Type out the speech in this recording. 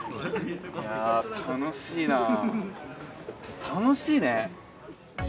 楽しいな、楽しいね。